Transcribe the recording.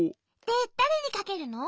でだれにかけるの？